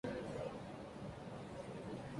Newman and Wilson, remain.